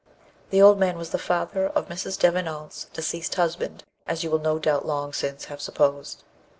The old man was the father of Mrs. Devenant's deceased husband, as you will no doubt long since have supposed.